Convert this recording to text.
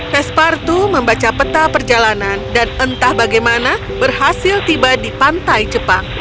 pespartu membaca peta perjalanan dan entah bagaimana berhasil tiba di pantai jepang